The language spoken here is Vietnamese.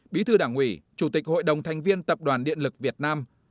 bí thư đảng ủy chủ tịch hội đồng thành viên tập đoàn điện lực việt nam